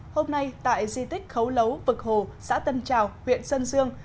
hôm nay tại di tích khấu lấu vực hồ xã tân trào huyện sơn dương